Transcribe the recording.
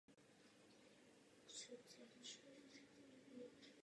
Ani jedna ze stran ovšem své postavení nezměnila.